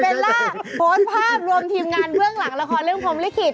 ล่าสุดโพสต์ภาพรวมทีมงานเบื้องหลังละครเรื่องพรมลิขิต